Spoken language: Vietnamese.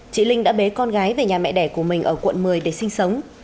chị linh đã bế con gái về nhà mẹ đẻ của mình ở quận một mươi để sinh sống